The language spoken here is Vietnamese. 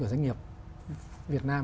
của doanh nghiệp việt nam